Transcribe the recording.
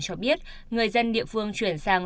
cho biết người dân địa phương chuyển sang